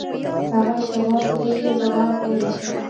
هغه شواب ته يې ځواب ولېږه.